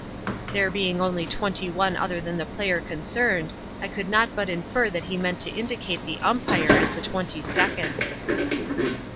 "There being only twenty one other than the player concerned, I could not but infer that he meant to indicate the umpire as the twenty second."